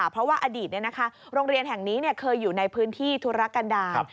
เพราะว่าอดีตโรงเรียนแห่งนี้เคยอยู่ในพื้นที่ธุรกันดาล